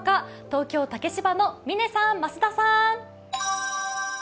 東京・竹芝の嶺さん、増田さん。